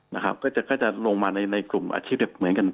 นะครับก็จะลงมาในกลุ่มอาชีพเด็กเหมือนกัน